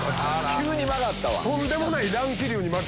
急に曲がったわ。